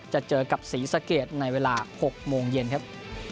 จะเจอกับศรีสะเกดในเวลา๖โมงเย็นครับ